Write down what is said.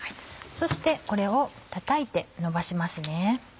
そしてこれをたたいて伸ばしますね。